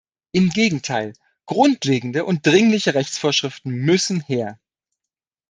Im Gegenteil, grundlegende und dringliche Rechtsvorschriften müssen her.